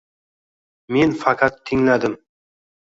Men faqat tingladim